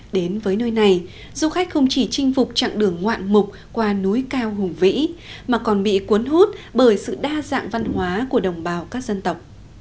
đến với nơi này du khách không chỉ chinh phục chặng đường ngoạn mục qua núi cao hùng vĩ mà còn bị cuốn hút bởi sự đa dạng văn hóa của đồng bào các dân tộc